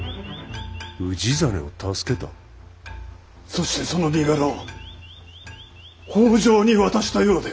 そしてその身柄を北条に渡したようで。